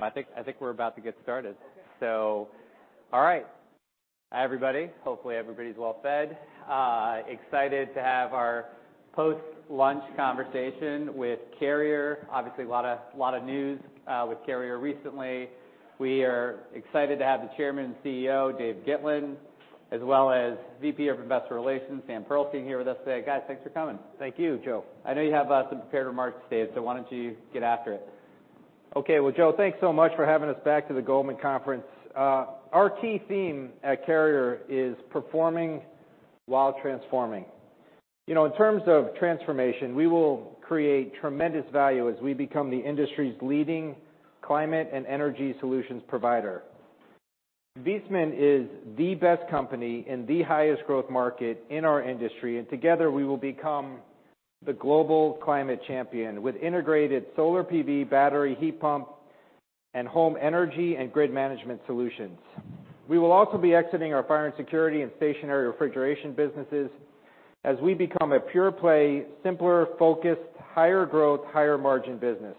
I think we're about to get started. Okay. All right. Hi, everybody. Hopefully, everybody's well fed. excited to have our post-lunch conversation with Carrier. Obviously, a lot of news with Carrier recently. We are excited to have the Chairman and CEO, Dave Gitlin, as well as VP of Investor Relations, Sam Pearlstein, here with us today. Guys, thanks for coming. Thank you, Joe. I know you have some prepared remarks today, so why don't you get after it? Okay. Well, Joe, thanks so much for having us back to the Goldman conference. Our key theme at Carrier is performing while transforming. You know, in terms of transformation, we will create tremendous value as we become the industry's leading climate and energy solutions provider. Viessmann is the best company in the highest growth market in our industry, and together, we will become the global climate champion with integrated solar PV, battery, heat pump, and home energy and grid management solutions. We will also be exiting our fire and security and stationary refrigeration businesses as we become a pure play, simpler, focused, higher growth, higher margin business.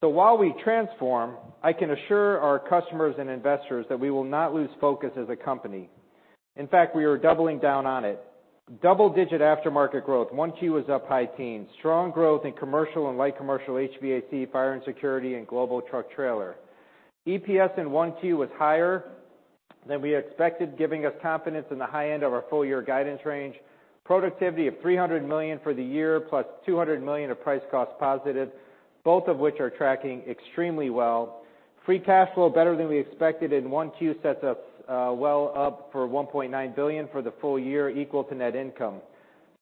While we transform, I can assure our customers and investors that we will not lose focus as a company. In fact, we are doubling down on it. Double-digit aftermarket growth. 1Q was up high teens. Strong growth in commercial and light commercial HVAC, fire and security, and global truck trailer. EPS in 1Q was higher than we expected, giving us confidence in the high end of our full year guidance range. Productivity of $300 million for the year, plus $200 million of price cost positive, both of which are tracking extremely well. Free cash flow better than we expected, and 1Q sets us well up for $1.9 billion for the full year, equal to net income.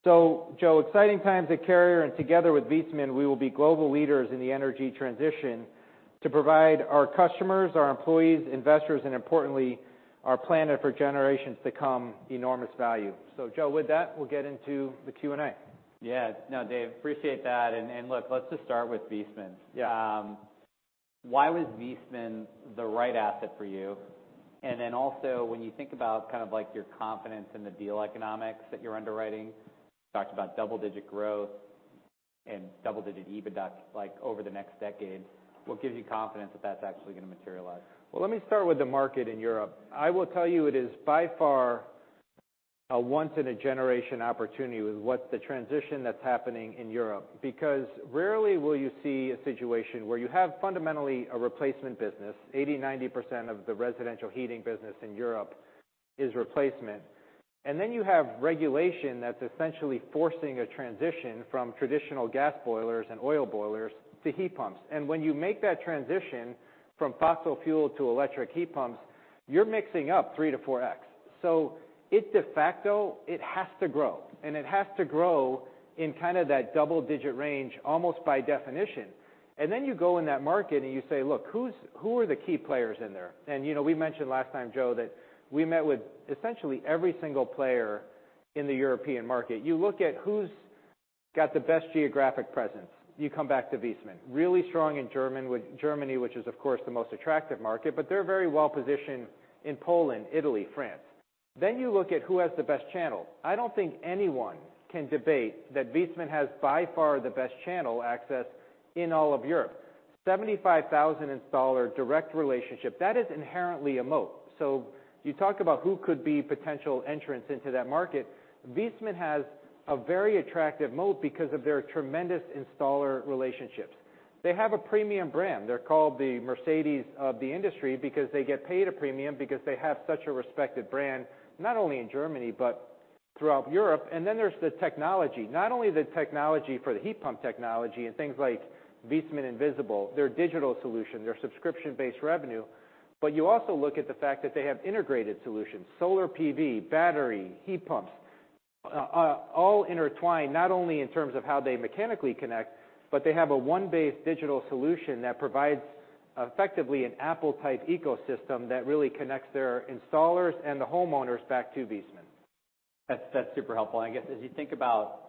Joe, exciting times at Carrier, and together with Viessmann, we will be global leaders in the energy transition to provide our customers, our employees, investors, and importantly, our planet for generations to come, enormous value. Joe, with that, we'll get into the Q&A. Yeah. No, Dave, appreciate that. Look, let's just start with Viessmann. Yeah. Why was Viessmann the right asset for you? Then also when you think about kind of like your confidence in the deal economics that you're underwriting, you talked about double-digit growth and double-digit EBITDA, like, over the next decade. What gives you confidence that that's actually gonna materialize? Let me start with the market in Europe. I will tell you it is by far a once in a generation opportunity with what the transition that's happening in Europe. Rarely will you see a situation where you have fundamentally a replacement business, 80%-90% of the residential heating business in Europe is replacement. You have regulation that's essentially forcing a transition from traditional gas boilers and oil boilers to heat pumps. When you make that transition from fossil fuel to electric heat pumps, you're mixing up 3x-4x. It's de facto, it has to grow, and it has to grow in kind of that double-digit range almost by definition. You go in that market and you say, "Look, who are the key players in there?" You know, we mentioned last time, Joe, that we met with essentially every single player in the European market. You look at who's got the best geographic presence, you come back to Viessmann. Really strong with Germany, which is of course the most attractive market, but they're very well positioned in Poland, Italy, France. You look at who has the best channel. I don't think anyone can debate that Viessmann has by far the best channel access in all of Europe. 75,000 installer direct relationship, that is inherently a moat. You talk about who could be potential entrants into that market, Viessmann has a very attractive moat because of their tremendous installer relationships. They have a premium brand. They're called the Mercedes of the industry because they get paid a premium because they have such a respected brand, not only in Germany, but throughout Europe. Then there's the technology. Not only the technology for the heat pump technology and things like Viessmann Invisible, their digital solution, their subscription-based revenue, but you also look at the fact that they have integrated solutions, solar PV, battery, heat pumps, all intertwined, not only in terms of how they mechanically connect, but they have a One Base digital solution that provides effectively an Apple type ecosystem that really connects their installers and the homeowners back to Viessmann. That's super helpful. I guess, as you think about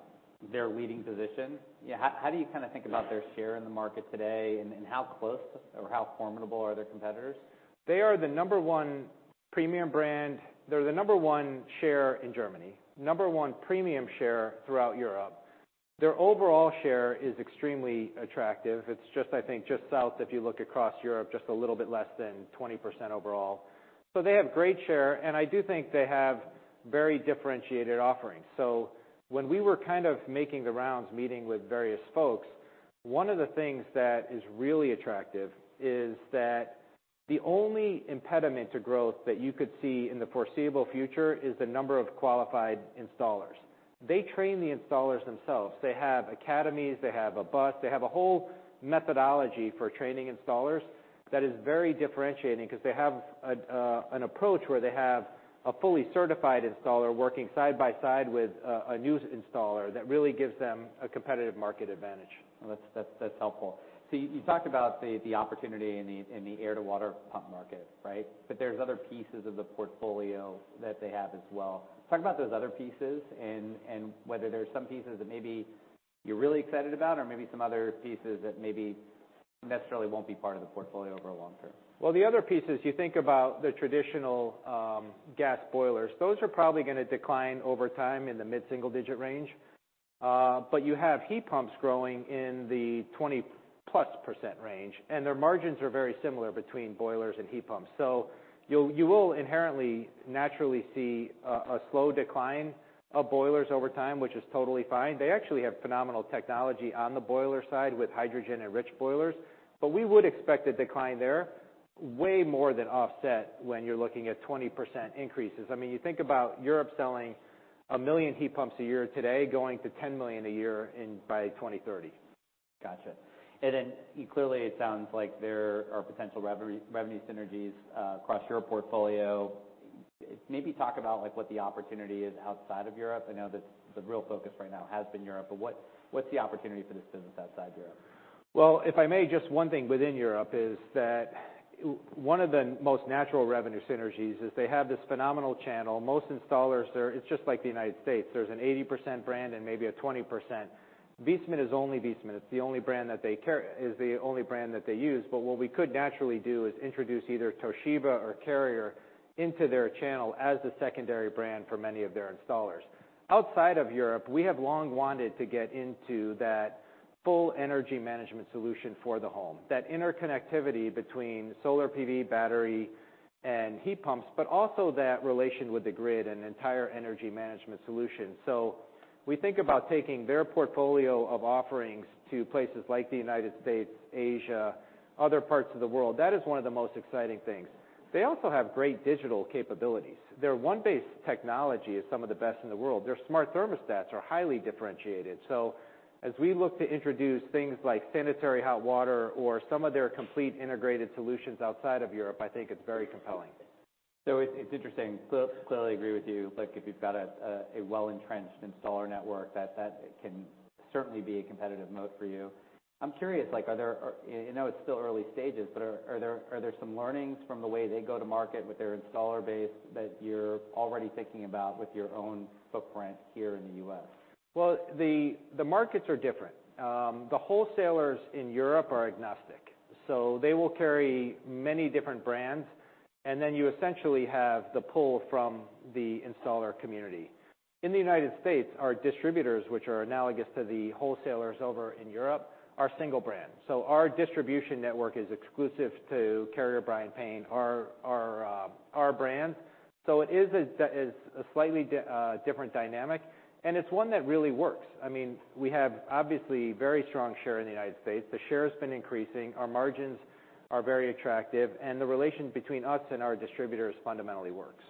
their leading position, yeah, how do you kinda think about their share in the market today? How close or how formidable are their competitors? They are the number one premium brand. They're the number one share in Germany. Number one premium share throughout Europe. Their overall share is extremely attractive. It's just, I think, just south if you look across Europe, just a little bit less than 20% overall. They have great share, and I do think they have very differentiated offerings. When we were kind of making the rounds, meeting with various folks, one of the things that is really attractive is that the only impediment to growth that you could see in the foreseeable future is the number of qualified installers. They train the installers themselves. They have academies. They have a bus. They have a whole methodology for training installers that is very differentiating 'cause they have an approach where they have a fully certified installer working side by side with a new installer that really gives them a competitive market advantage. That's helpful. You talked about the opportunity in the air-to-water pump market, right? There's other pieces of the portfolio that they have as well. Talk about those other pieces and whether there's some pieces that maybe you're really excited about or maybe some other pieces that maybe necessarily won't be part of the portfolio over long term? The other pieces, you think about the traditional gas boilers. Those are probably gonna decline over time in the mid-single digit range. You have heat pumps growing in the 20%+ range, and their margins are very similar between boilers and heat pumps. You will inherently, naturally see a slow decline of boilers over time, which is totally fine. They actually have phenomenal technology on the boiler side with hydrogen-enriched boilers, but we would expect a decline there way more than offset when you're looking at 20% increases. I mean, you think about Europe selling 1 million heat pumps a year today, going to 10 million a year by 2030. Gotcha. Clearly, it sounds like there are potential revenue synergies across your portfolio. Maybe talk about like what the opportunity is outside of Europe. I know that the real focus right now has been Europe, but what's the opportunity for this business outside Europe? Well, if I may, just one thing within Europe is that one of the most natural revenue synergies is they have this phenomenal channel. Most installers there, it's just like the United States. There's an 80% brand and maybe a 20%. Viessmann is only Viessmann. It's the only brand that they carry. It's the only brand that they use. What we could naturally do is introduce either Toshiba or Carrier into their channel as the secondary brand for many of their installers. Outside of Europe, we have long wanted to get into that full energy management solution for the home. That interconnectivity between solar PV battery and heat pumps, but also that relation with the grid and entire energy management solution. We think about taking their portfolio of offerings to places like the United States, Asia, other parts of the world. That is one of the most exciting things. They also have great digital capabilities. Their One Base technology is some of the best in the world. Their smart thermostats are highly differentiated. As we look to introduce things like sanitary hot water or some of their complete integrated solutions outside of Europe, I think it's very compelling. It's interesting. Clearly agree with you, like if you've got a well-entrenched installer network, that can certainly be a competitive moat for you. I'm curious, like are there. I know it's still early stages, but are there some learnings from the way they go to market with their installer base that you're already thinking about with your own footprint here in the U.S.? Well, the markets are different. The wholesalers in Europe are agnostic, so they will carry many different brands, and then you essentially have the pull from the installer community. In the United States, our distributors, which are analogous to the wholesalers over in Europe, are single brand. Our distribution network is exclusive to Carrier, Bryant, Payne, our brand. It is a slightly different dynamic, and it's one that really works. I mean, we have obviously very strong share in the United States. The share has been increasing, our margins are very attractive, and the relation between us and our distributors fundamentally works.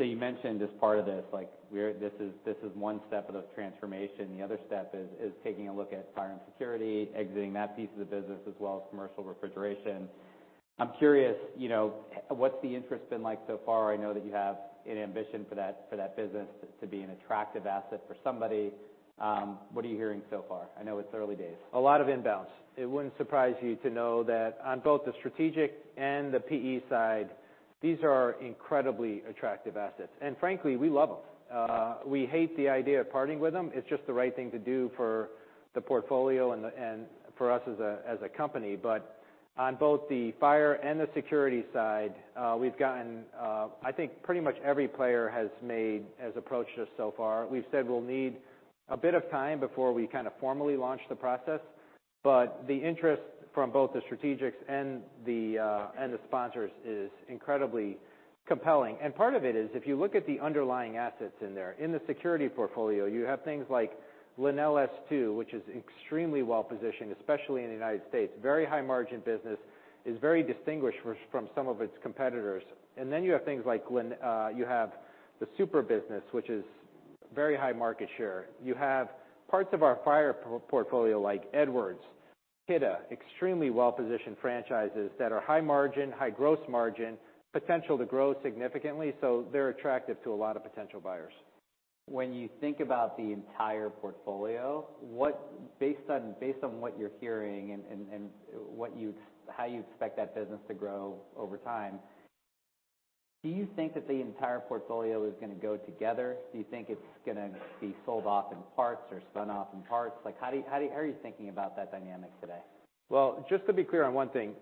You mentioned as part of this, like this is one step of the transformation. The other step is taking a look at fire and security, exiting that piece of the business as well as commercial refrigeration. I'm curious, you know, what's the interest been like so far? I know that you have an ambition for that, for that business to be an attractive asset for somebody. What are you hearing so far? I know it's early days. A lot of inbounds. It wouldn't surprise you to know that on both the strategic and the PE side, these are incredibly attractive assets. Frankly, we love them. We hate the idea of parting with them. It's just the right thing to do for the portfolio and for us as a company. On both the fire and the security side, we've gotten, I think pretty much every player has approached us so far. We've said we'll need a bit of time before we kind of formally launch the process. The interest from both the strategics and the sponsors is incredibly compelling. Part of it is, if you look at the underlying assets in there, in the security portfolio, you have things like LenelS2, which is extremely well-positioned, especially in the United States. Very high margin business. Is very distinguished from some of its competitors. You have things like, you have the Supra business, which is very high market share. You have parts of our fire portfolio like Edwards, Kidde, extremely well-positioned franchises that are high margin, high gross margin, potential to grow significantly. They're attractive to a lot of potential buyers. When you think about the entire portfolio, based on what you're hearing and how you expect that business to grow over time, do you think that the entire portfolio is gonna go together? Do you think it's gonna be sold off in parts or spun off in parts? Like how do you how are you thinking about that dynamic today? Well, just to be clear on one thing,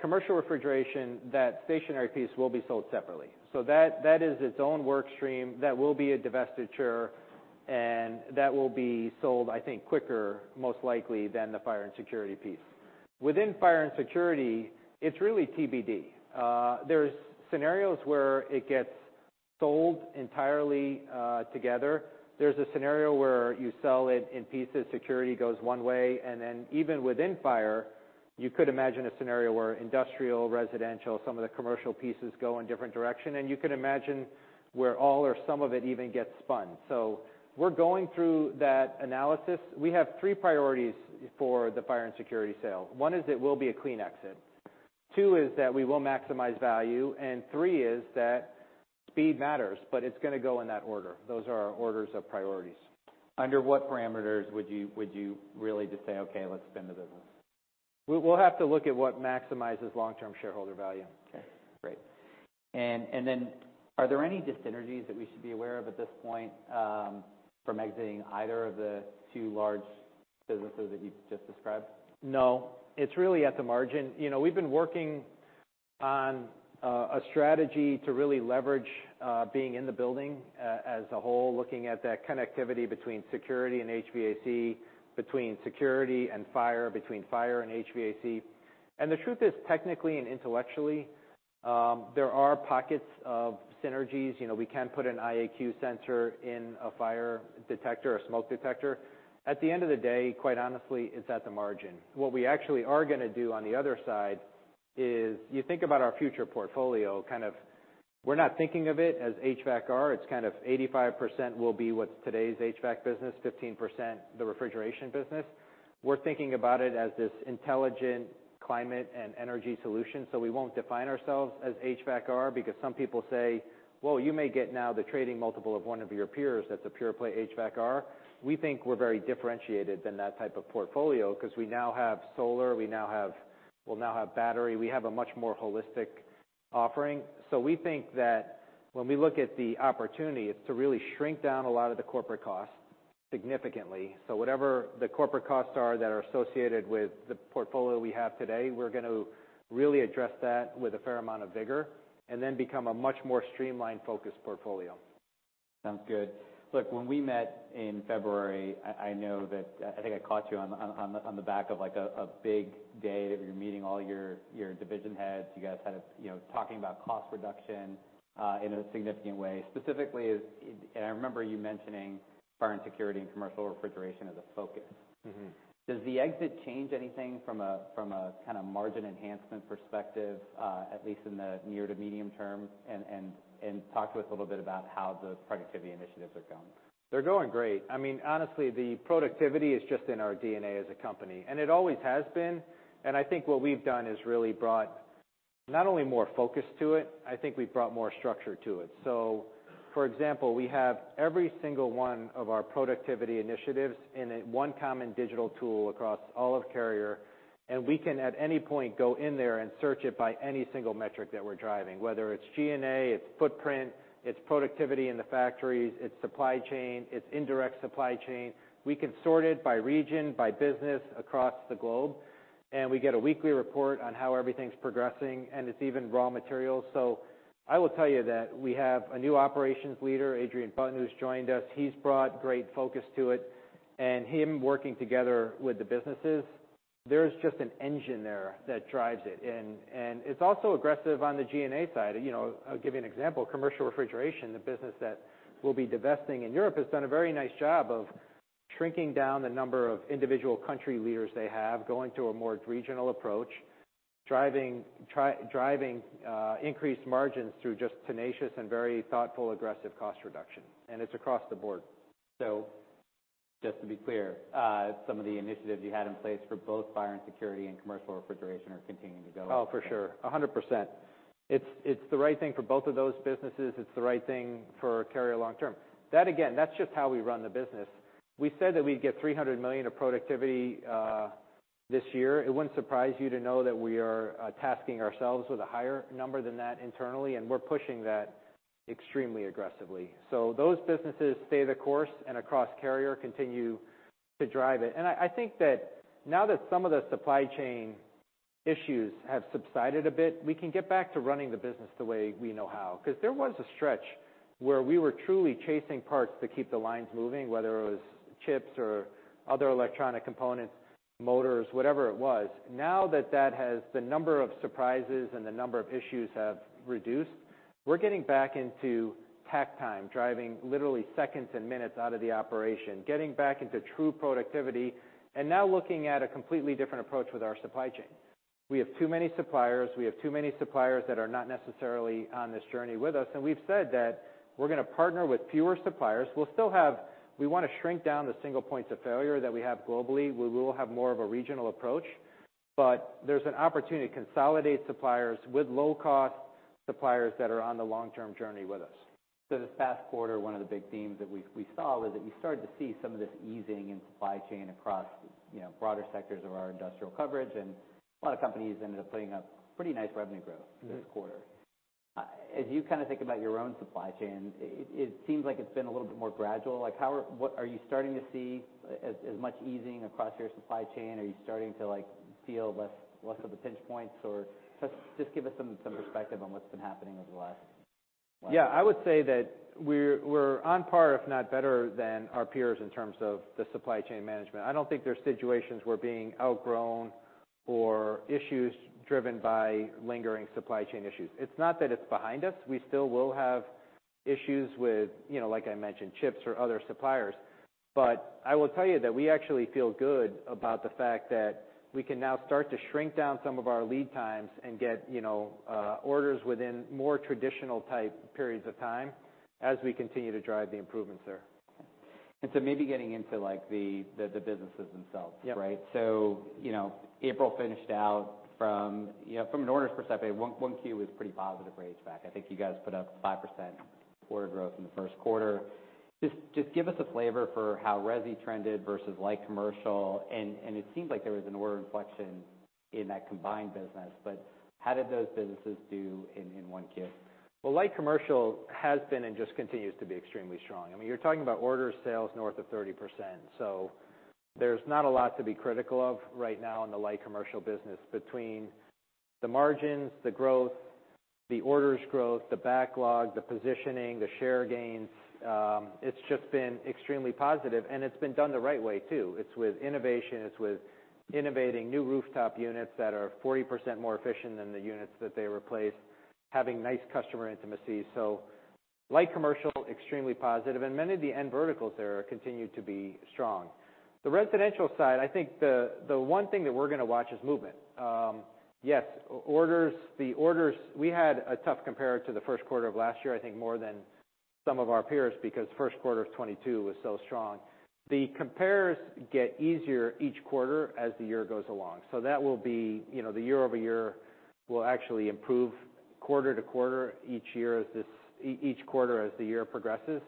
commercial refrigeration, that stationary piece will be sold separately. That, that is its own work stream. That will be a divestiture, and that will be sold, I think, quicker, most likely, than the fire and security piece. Within fire and security, it's really TBD. There's scenarios where it gets sold entirely together. There's a scenario where you sell it in pieces, security goes one way, and then even within fire, you could imagine a scenario where industrial, residential, some of the commercial pieces go in different direction. You can imagine where all or some of it even gets spun. We're going through that analysis. We have three priorities for the fire and security sale. One is it will be a clean exit. Two is that we will maximize value, and three is that speed matters, but it's going to go in that order. Those are our orders of priorities. Under what parameters would you really just say, "Okay, let's spin the business"? We'll have to look at what maximizes long-term shareholder value. Okay, great. Are there any dyssynergies that we should be aware of at this point, from exiting either of the two large businesses that you just described? No. It's really at the margin. You know, we've been working on a strategy to really leverage being in the building as a whole, looking at that connectivity between security and HVAC, between security and fire, between fire and HVAC. The truth is, technically and intellectually, there are pockets of synergies. You know, we can put an IAQ sensor in a fire detector or smoke detector. At the end of the day, quite honestly, it's at the margin. What we actually are gonna do on the other side is you think about our future portfolio, kind of, we're not thinking of it as HVAC/R. It's kind of 85% will be what's today's HVAC business, 15% the refrigeration business. We're thinking about it as this intelligent climate and energy solution. We won't define ourselves as HVAC/R because some people say, "Well, you may get now the trading multiple of one of your peers that's a pure play HVAC/R." We think we're very differentiated than that type of portfolio 'cause we now have solar, we now have battery. We have a much more holistic offering. We think that when we look at the opportunity, it's to really shrink down a lot of the corporate costs significantly. Whatever the corporate costs are that are associated with the portfolio we have today, we're going to really address that with a fair amount of vigor and then become a much more streamlined, focused portfolio. Sounds good. When we met in February, I know that, I think I caught you on the back of, like a big day that you're meeting all your division heads. You guys had a, you know, talking about cost reduction in a significant way. Specifically. I remember you mentioning fire and security and commercial refrigeration as a focus. Mm-hmm. Does the exit change anything from a kind of margin enhancement perspective, at least in the near to medium term? Talk to us a little bit about how the productivity initiatives are going. They're going great. I mean, honestly, the productivity is just in our DNA as a company, and it always has been. I think what we've done is really brought not only more focus to it, I think we've brought more structure to it. For example, we have every single one of our productivity initiatives in a one common digital tool across all of Carrier, and we can, at any point, go in there and search it by any single metric that we're driving, whether it's G&A, it's footprint, it's productivity in the factories, it's supply chain, it's indirect supply chain. We can sort it by region, by business across the globe, and we get a weekly report on how everything's progressing, and it's even raw materials. I will tell you that we have a new operations leader, Adrian Button, who's joined us. He's brought great focus to it, and him working together with the businesses, there's just an engine there that drives it. It's also aggressive on the G&A side. You know, I'll give you an example. Commercial refrigeration, the business that we'll be divesting in Europe, has done a very nice job of shrinking down the number of individual country leaders they have, going to a more regional approach, driving increased margins through just tenacious and very thoughtful, aggressive cost reduction, and it's across the board. Just to be clear, some of the initiatives you had in place for both fire and security and commercial refrigeration are continuing to go well. Oh, for sure, 100%. It's the right thing for both of those businesses. It's the right thing for Carrier long term. That again, that's just how we run the business. We said that we'd get $300 million of productivity this year. It wouldn't surprise you to know that we are tasking ourselves with a higher number than that internally, and we're pushing that extremely aggressively. Those businesses stay the course and across Carrier continue to drive it. I think that now that some of the supply chain issues have subsided a bit, we can get back to running the business the way we know how. 'Cause there was a stretch where we were truly chasing parts to keep the lines moving, whether it was chips or other electronic components, motors, whatever it was. Now that that has, the number of surprises and the number of issues have reduced, we're getting back into takt time, driving literally seconds and minutes out of the operation, getting back into true productivity, and now looking at a completely different approach with our supply chain. We have too many suppliers. We have too many suppliers that are not necessarily on this journey with us. We've said that we're gonna partner with fewer suppliers. We wanna shrink down the single points of failure that we have globally. We will have more of a regional approach. There's an opportunity to consolidate suppliers with low-cost suppliers that are on the long-term journey with us. This past quarter, one of the big themes that we saw was that you started to see some of this easing in supply chain across, you know, broader sectors of our industrial coverage, and a lot of companies ended up putting up pretty nice revenue growth this quarter. Mm-hmm. As you kinda think about your own supply chain, it seems like it's been a little bit more gradual. Like, Are you starting to see as much easing across your supply chain? Are you starting to, like, feel less of the pinch points? Just give us some perspective on what's been happening over the last while. Yeah. I would say that we're on par, if not better than our peers in terms of the supply chain management. I don't think there's situations we're being outgrown or issues driven by lingering supply chain issues. It's not that it's behind us. We still will have issues with, you know, like I mentioned, chips or other suppliers. I will tell you that we actually feel good about the fact that we can now start to shrink down some of our lead times and get, you know, orders within more traditional type periods of time as we continue to drive the improvements there. Maybe getting into, like, the businesses themselves, right? Yep. You know, April finished out. You know, from an orders perspective, 1Q was pretty positive for HVAC. I think you guys put up 5% order growth in the first quarter. Just give us a flavor for how resi trended versus light commercial. It seemed like there was an order inflection in that combined business, but how did those businesses do in 1Q? Well, light commercial has been and just continues to be extremely strong. I mean, you're talking about order sales north of 30%. There's not a lot to be critical of right now in the light commercial business between the margins, the growth, the orders growth, the backlog, the positioning, the share gains. It's just been extremely positive, and it's been done the right way too. It's with innovation. It's with innovating new rooftop units that are 40% more efficient than the units that they replaced, having nice customer intimacy. Light commercial, extremely positive, and many of the end verticals there continue to be strong. The residential side, I think the one thing that we're gonna watch is movement. Yes, the orders we had a tough compare to the first quarter of last year, I think more than some of our peers, because first quarter of 2022 was so strong. The compares get easier each quarter as the year goes along. That will be, you know, the year-over-year will actually improve quarter-to-quarter each year as each quarter as the year progresses.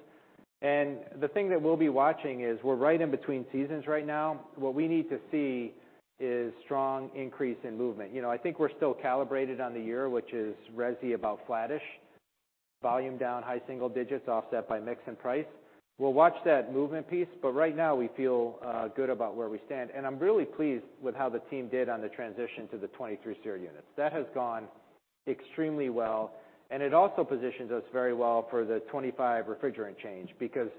The thing that we'll be watching is we're right in between seasons right now. What we need to see is strong increase in movement. You know, I think we're still calibrated on the year, which is resi about flattish, volume down high single digits offset by mix and price. We'll watch that movement piece, but right now we feel good about where we stand. I'm really pleased with how the team did on the transition to the 23 SEER units. That has gone extremely well, and it also positions us very well for the 25 refrigerant change because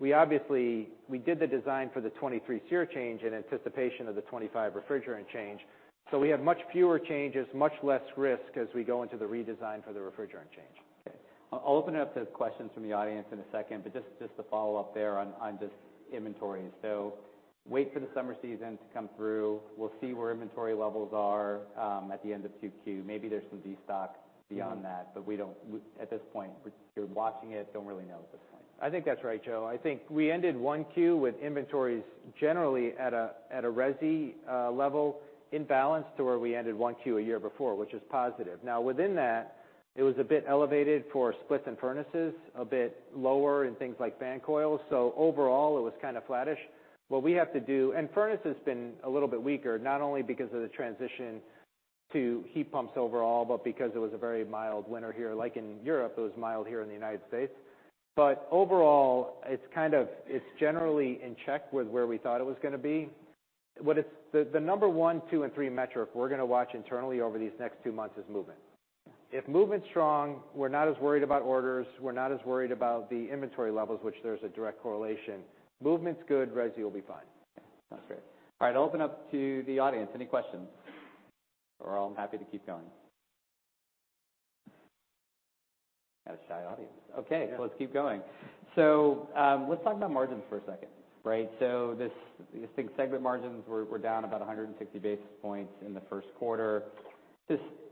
we obviously did the design for the 23 SEER change in anticipation of the 25 refrigerant change. We have much fewer changes, much less risk as we go into the redesign for the refrigerant change. Okay. I'll open it up to questions from the audience in a second, but just to follow up there on just inventory. Wait for the summer season to come through. We'll see where inventory levels are at the end of 2Q. Maybe there's some destock beyond that, but we don't at this point, you're watching it, don't really know at this point. I think that's right, Joe. I think we ended 1Q with inventories generally at a, at a resi level in balance to where we ended 1Q a year before, which is positive. Within that, it was a bit elevated for splits and furnaces, a bit lower in things like fan coils. Overall, it was kind of flattish. What we have to do, furnace has been a little bit weaker, not only because of the transition to heat pumps overall, but because it was a very mild winter here. Like in Europe, it was mild here in the United States. Overall, it's kind of, it's generally in check with where we thought it was gonna be. What it's, the number one, two, and three metric we're gonna watch internally over these next two months is movement. If movement's strong, we're not as worried about orders. We're not as worried about the inventory levels, which there's a direct correlation. Movement's good, resi will be fine. Okay. Sounds great. All right, I'll open up to the audience. Any questions? Or I'm happy to keep going. Got a shy audience. Okay. Yeah. Let's keep going. Let's talk about margins for a second, right? I think segment margins were down about 160 basis points in the first quarter.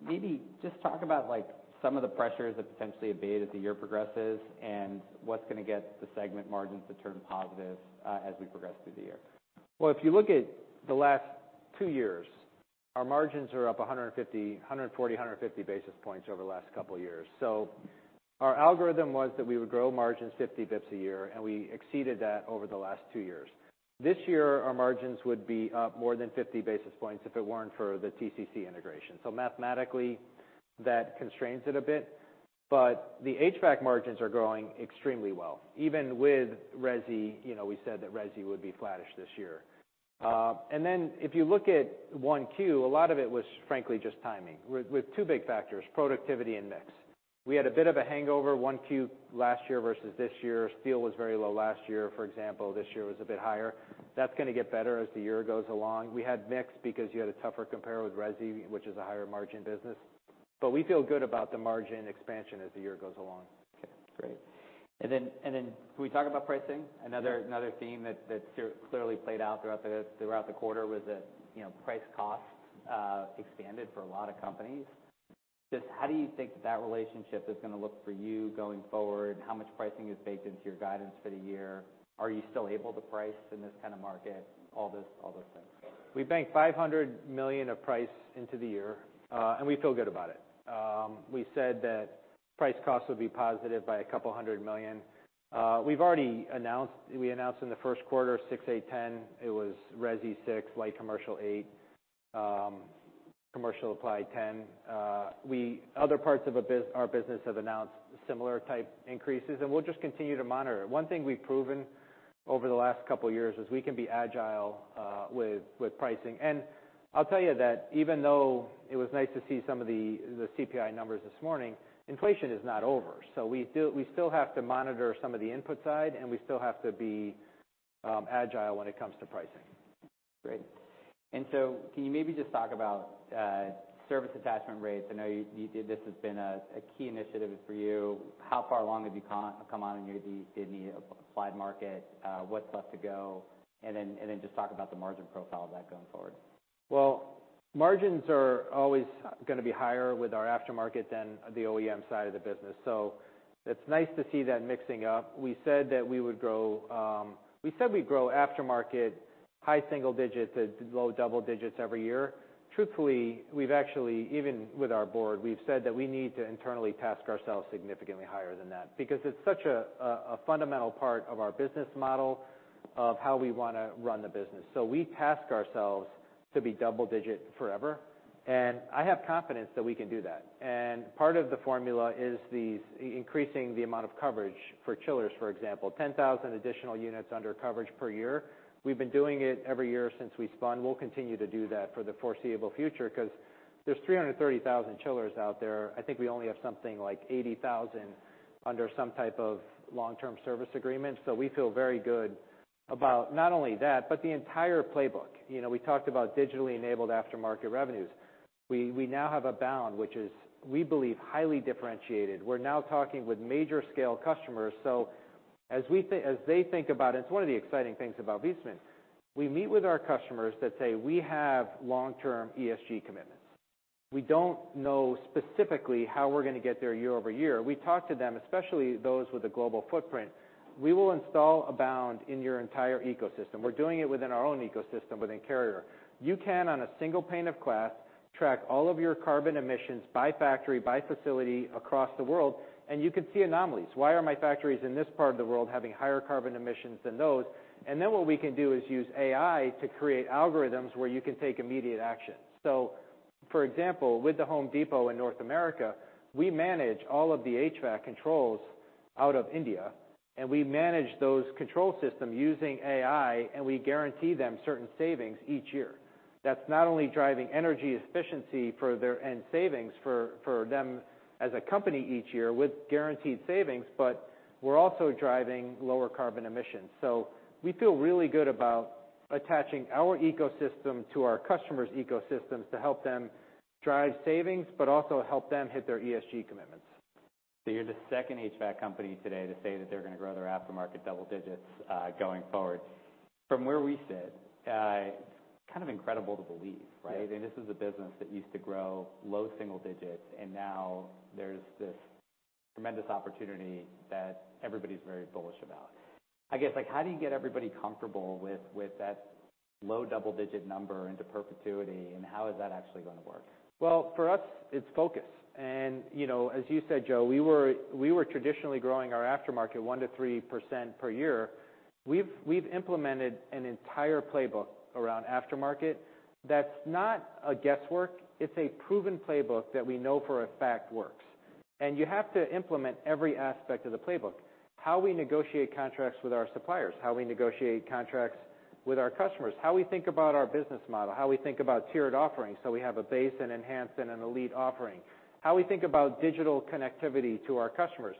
Maybe just talk about like some of the pressures that potentially abate as the year progresses and what's gonna get the segment margins to turn positive as we progress through the year. If you look at the last two years, our margins are up 150, 140, 150 basis points over the last couple years. Our algorithm was that we would grow margins 50 basis points a year, and we exceeded that over the last two years. This year, our margins would be up more than 50 basis points if it weren't for the TCC integration. Mathematically, that constrains it a bit. The HVAC margins are growing extremely well, even with resi, you know, we said that resi would be flattish this year. If you look at 1Q, a lot of it was frankly just timing with two big factors, productivity and mix. We had a bit of a hangover 1Q last year versus this year. Steel was very low last year, for example. This year was a bit higher. That's gonna get better as the year goes along. We had mix because you had a tougher compare with resi, which is a higher margin business. We feel good about the margin expansion as the year goes along. Okay, great. Then can we talk about pricing? Another theme that clearly played out throughout the quarter was that, you know, price costs expanded for a lot of companies. How do you think that relationship is gonna look for you going forward? How much pricing is baked into your guidance for the year? Are you still able to price in this kind of market? All those things. We banked $500 million of price into the year, and we feel good about it. We said that price cost would be positive by a couple hundred million. We announced in the first quarter 6%, 8%, 10%. It was resi 6%, light commercial 8%, commercial applied 10%. Other parts of our business have announced similar type increases, and we'll just continue to monitor it. One thing we've proven over the last couple years is we can be agile with pricing. I'll tell you that even though it was nice to see some of the CPI numbers this morning, inflation is not over. We still have to monitor some of the input side, and we still have to be agile when it comes to pricing. Great. Can you maybe just talk about service attachment rates? I know you did this. It's been a key initiative for you. How far along have you come on in your heat, AC, applied market? What's left to go? Then just talk about the margin profile of that going forward. Margins are always gonna be higher with our aftermarket than the OEM side of the business. It's nice to see that mixing up. We said that we would grow, we said we'd grow aftermarket high single digits to low double digits every year. Truthfully, we've actually, even with our board, we've said that we need to internally task ourselves significantly higher than that because it's such a fundamental part of our business model of how we wanna run the business. We task ourselves to be double digit forever, and I have confidence that we can do that. Part of the formula is increasing the amount of coverage for chillers, for example, 10,000 additional units under coverage per year. We've been doing it every year since we spun. We'll continue to do that for the foreseeable future 'cause there's 330,000 chillers out there. I think we only have something like 80,000 under some type of long-term service agreement. We feel very good about not only that, but the entire playbook. You know, we talked about digitally enabled aftermarket revenues. We now have Abound, which is, we believe, highly differentiated. We're now talking with major scale customers. As they think about it's one of the exciting things about Viessmann. We meet with our customers that say, "We have long-term ESG commitments. We don't know specifically how we're gonna get there year-over-year." We talk to them, especially those with a global footprint. We will install Abound in your entire ecosystem. We're doing it within our own ecosystem within Carrier. You can, on a single pane of glass, track all of your carbon emissions by factory, by facility across the world, and you can see anomalies. Why are my factories in this part of the world having higher carbon emissions than those? Then what we can do is use AI to create algorithms where you can take immediate action. For example, with The Home Depot in North America, we manage all of the HVAC controls out of India, and we manage those control system using AI, and we guarantee them certain savings each year. That's not only driving energy efficiency for their end savings for them as a company each year with guaranteed savings, but we're also driving lower carbon emissions. We feel really good about attaching our ecosystem to our customers' ecosystems to help them drive savings, but also help them hit their ESG commitments. You're the second HVAC company today to say that they're gonna grow their aftermarket double digits, going forward. From where we sit, it's kind of incredible to believe, right? Yes. I mean, this is a business that used to grow low single digits, and now there's this tremendous opportunity that everybody's very bullish about. I guess, like, how do you get everybody comfortable with that low double-digit number into perpetuity, and how is that actually gonna work? Well, for us, it's focus. You know, as you said, Joe, we were traditionally growing our aftermarket 1% to 3% per year. We've implemented an entire playbook around aftermarket that's not a guesswork. It's a proven playbook that we know for a fact works. You have to implement every aspect of the playbook. How we negotiate contracts with our suppliers, how we negotiate contracts with our customers, how we think about our business model, how we think about tiered offerings, so we have a base and enhanced and an elite offering. How we think about digital connectivity to our customers.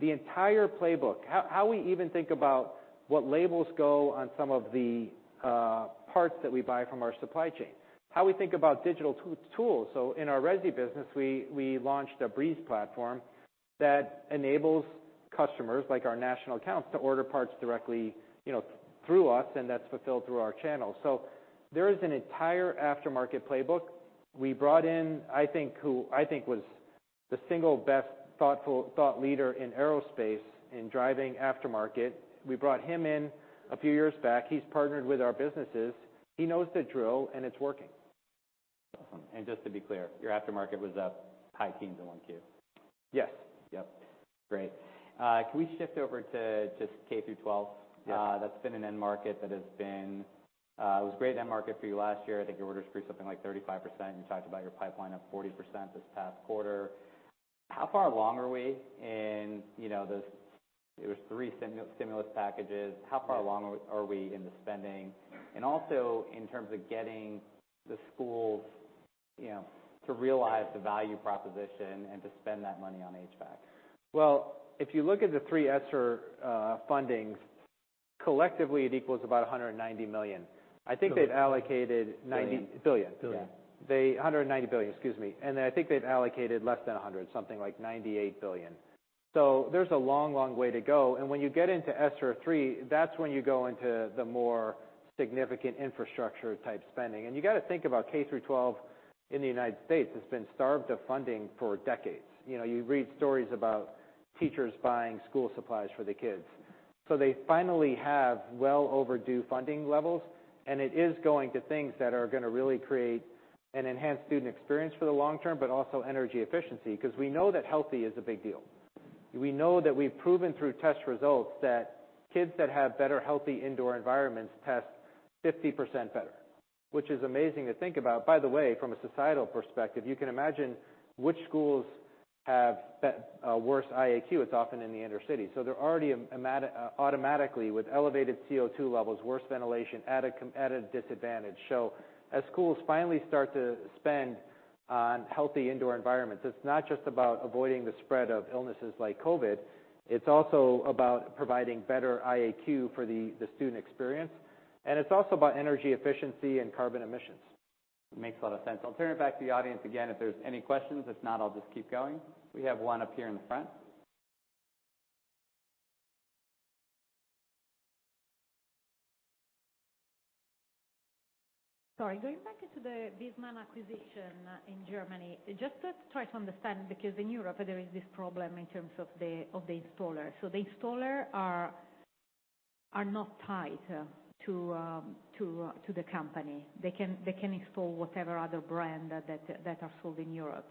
The entire playbook. How we even think about what labels go on some of the parts that we buy from our supply chain. How we think about digital tools. In our resi business, we launched a Breeze platform that enables customers, like our national accounts, to order parts directly, you know, through us, and that's fulfilled through our channels. There is an entire aftermarket playbook. We brought in, I think, who I think was the single best thought leader in aerospace in driving aftermarket. We brought him in a few years back. He's partnered with our businesses. He knows the drill, and it's working. Awesome. Just to be clear, your aftermarket was up high teens in 1Q? Yes. Yep. Great. Can we shift over to just K-12? Yes. That's been an end market that has been. It was a great end market for you last year. I think your orders grew something like 35%. You talked about your pipeline up 40% this past quarter. How far along are we in, you know, those? It was three stimulus packages. Yes. How far along are we in the spending? Also, in terms of getting the schools, you know, to realize the value proposition and to spend that money on HVAC. Well, if you look at the three ESSER fundings, collectively it equals about $190 million. I think they've allocated ninety billion. Billion. Billion. $190 billion, excuse me. I think they've allocated less than 100, something like $98 billion. There's a long, long way to go. When you get into ESSER III, that's when you go into the more significant infrastructure type spending. You gotta think about K-12 in the United States has been starved of funding for decades. You know, you read stories about teachers buying school supplies for the kids. They finally have well overdue funding levels, and it is going to things that are gonna really create an enhanced student experience for the long term, but also energy efficiency. 'Cause we know that healthy is a big deal. We know that we've proven through test results that kids that have better healthy indoor environments test 50% better, which is amazing to think about. By the way, from a societal perspective, you can imagine which schools have worse IAQ. It's often in the inner city. They're already automatically with elevated CO2 levels, worse ventilation, at a disadvantage. As schools finally start to spend on healthy indoor environments, it's not just about avoiding the spread of illnesses like COVID, it's also about providing better IAQ for the student experience, and it's also about energy efficiency and carbon emissions. Makes a lot of sense. I'll turn it back to the audience again if there's any questions. If not, I'll just keep going. We have one up here in the front. Sorry. Going back to the Viessmann acquisition in Germany. Just to try to understand, because in Europe there is this problem in terms of the installer. The installer are not tied to the company. They can, they can install whatever other brand that are sold in Europe.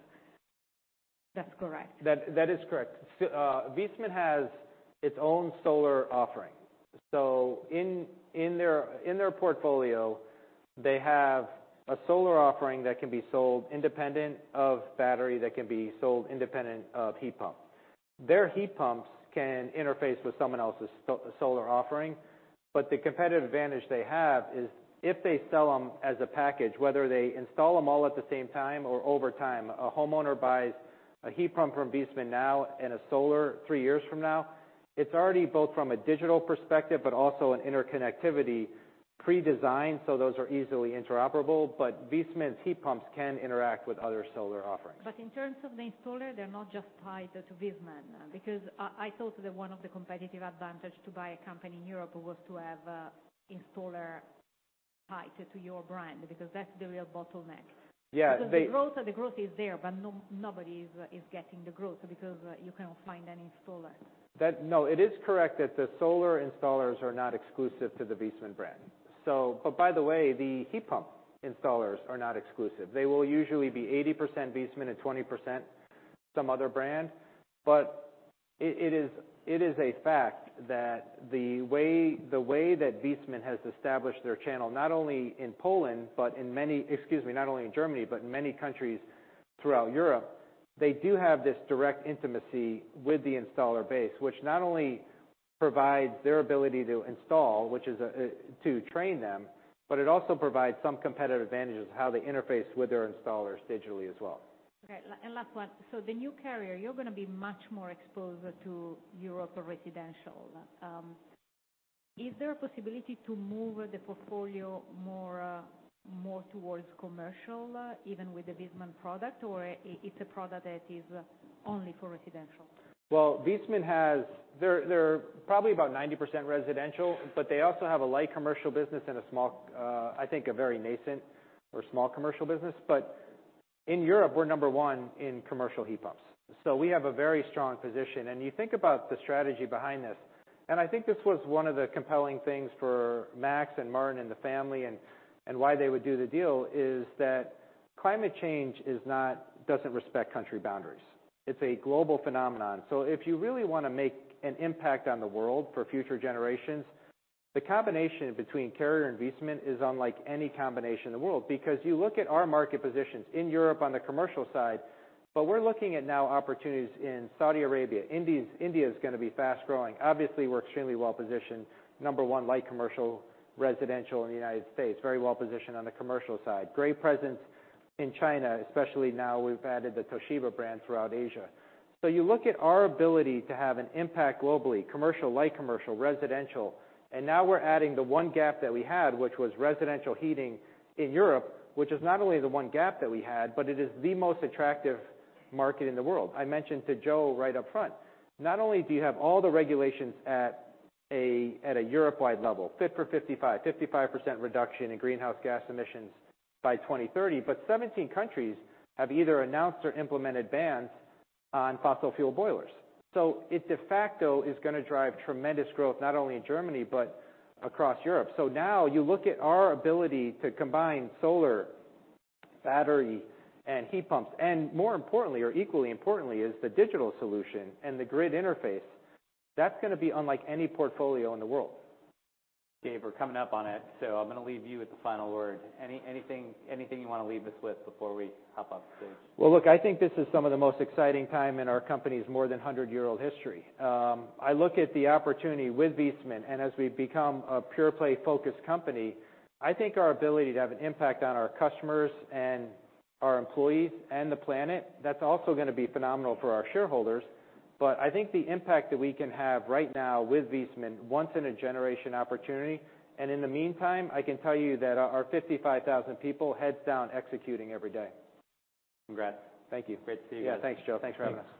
That's correct? That is correct. Viessmann has its own solar offering. In their portfolio, they have a solar offering that can be sold independent of battery, that can be sold independent of heat pump. Their heat pumps can interface with someone else's solar offering. The competitive advantage they have is if they sell them as a package, whether they install them all at the same time or over time, a homeowner buys a heat pump from Viessmann now and a solar three years from now, it's already built from a digital perspective, but also an interconnectivity pre-designed, so those are easily interoperable. Viessmann's heat pumps can interact with other solar offerings. In terms of the installer, they're not just tied to Viessmann. I thought that one of the competitive advantage to buy a company in Europe was to have installer tied to your brand because that's the real bottleneck. Yeah. The growth is there, but nobody is getting the growth because you cannot find an installer. It is correct that the solar installers are not exclusive to the Viessmann brand. By the way, the heat pump installers are not exclusive. They will usually be 80% Viessmann and 20% some other brand. It is a fact that the way that Viessmann has established their channel, not only in Poland, but in many... Excuse me, not only in Germany, but in many countries throughout Europe, they do have this direct intimacy with the installer base, which not only provides their ability to install, which is to train them, but it also provides some competitive advantages how they interface with their installers digitally as well. Okay. Last one. The new Carrier, you're going to be much more exposed to Europe residential. Is there a possibility to move the portfolio more towards commercial, even with the Viessmann product, or it's a product that is only for residential? Well, Viessmann has They're probably about 90% residential, but they also have a light commercial business and a small, I think a very nascent or small commercial business. In Europe, we're number one in commercial heat pumps. We have a very strong position. You think about the strategy behind this, and I think this was one of the compelling things for Max and Martin and the family and why they would do the deal is that climate change doesn't respect country boundaries. It's a global phenomenon. If you really wanna make an impact on the world for future generations, the combination between Carrier and Viessmann is unlike any combination in the world. You look at our market positions in Europe on the commercial side, but we're looking at now opportunities in Saudi Arabia. India is gonna be fast-growing. Obviously, we're extremely well-positioned, number one light commercial, residential in the United States. Very well-positioned on the commercial side. Great presence in China, especially now we've added the Toshiba brand throughout Asia. You look at our ability to have an impact globally, commercial, light commercial, residential, and now we're adding the one gap that we had, which was residential heating in Europe, which is not only the one gap that we had, but it is the most attractive market in the world. I mentioned to Joe right up front, not only do you have all the regulations at a Europe-wide level, Fit for 55% reduction in greenhouse gas emissions by 2030, 17 countries have either announced or implemented bans on fossil fuel boilers. It de facto is gonna drive tremendous growth, not only in Germany, but across Europe. Now you look at our ability to combine solar, battery, and heat pumps, and more importantly or equally importantly, is the digital solution and the grid interface. That's going to be unlike any portfolio in the world. Dave, we're coming up on it, so I'm gonna leave you with the final word. Anything you wanna leave us with before we hop off stage? Well, look, I think this is some of the most exciting time in our company's more than 100-year-old history. I look at the opportunity with Viessmann, and as we become a pure play focused company, I think our ability to have an impact on our customers and our employees and the planet, that's also gonna be phenomenal for our shareholders. I think the impact that we can have right now with Viessmann, once in a generation opportunity. In the meantime, I can tell you that our 55,000 people heads down executing every day. Congrats. Thank you. Great to see you. Yeah. Thanks, Joe. Thanks for having us.